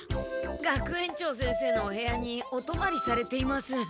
学園長先生のお部屋におとまりされています。